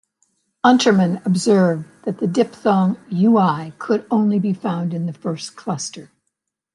Untermann observed that the diphthong "ui" could only be found in the first cluster.